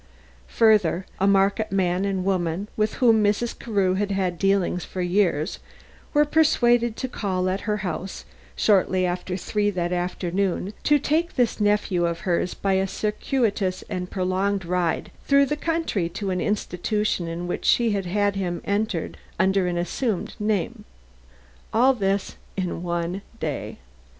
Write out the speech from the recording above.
Further, a market man and woman with whom Mrs. Carew had had dealings for years were persuaded to call at her house shortly after three that afternoon, to take this nephew of hers by a circuitous and prolonged ride through the country to an institution in which she had had him entered under an assumed name. All this in one day.